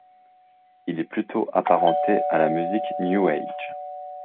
Il est plutôt apparenté à la musique new age.